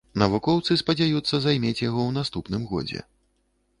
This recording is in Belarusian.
Навукоўцы спадзяюцца займець яго ў наступным годзе.